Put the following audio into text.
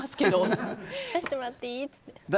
出してもらっていい？って。